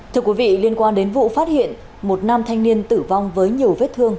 thưa quý vị liên quan đến vụ phát hiện một nam thanh niên tử vong với nhiều vết thương